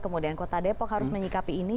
kemudian kota depok harus menyikapi ini